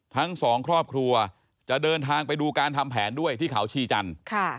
ทั้งสองครอบครัวจะเดินทางไปดูการทำแผนด้วยที่เขาชีจันทร์